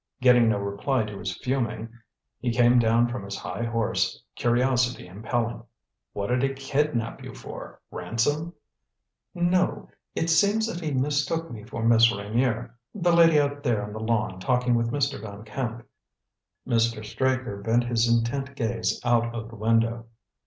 Getting no reply to his fuming, he came down from his high horse, curiosity impelling. "What'd he kidnap you for ransom?" "No. It seems that he mistook me for Miss Reynier the lady out there on the lawn talking with Mr. Van Camp." Mr. Straker bent his intent gaze out of the window.